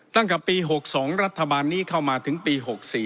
ตั้งแต่ปี๖๒รัฐบาลนี้เข้ามาถึงปี๖๔